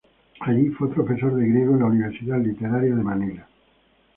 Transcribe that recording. Allí fue profesor de griego en la Universidad literaria de Manila.